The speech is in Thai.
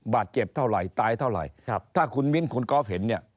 บาดเจ็บเท่าไหร่ตายเท่าไหร่ครับถ้าคุณมิ้นคุณก๊อฟเห็นเนี่ย